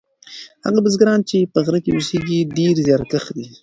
هغه بزګران چې په غره کې اوسیږي ډیر زیارکښ دي.